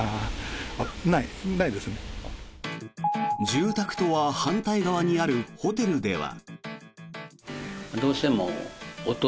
住宅とは反対側にあるホテルでは。